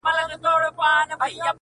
o بد باڼجڼ افت نه وهي٫